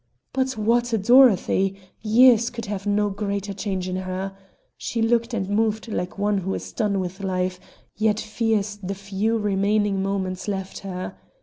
But what a Dorothy! Years could have made no greater change in her. She looked and she moved like one who is done with life, yet fears the few remaining moments left her.